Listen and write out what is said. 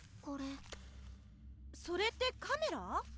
これそれってカメラ？